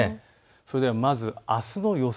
それではまずあすの予想